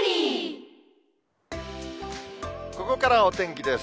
ここからはお天気です。